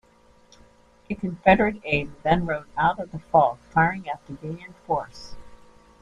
A Confederate aide then rode out of the fog firing at the Union force.